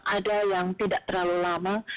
ada yang cukup lama